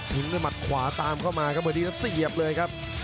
ด้วยหมัดขวาตามเข้ามาครับพอดีแล้วเสียบเลยครับ